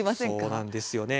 そうなんですよね。